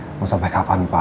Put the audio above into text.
nggak sampai kapan pak